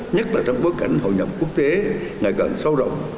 nhất là trong bối cảnh hội nhập quốc tế ngày càng sâu rộng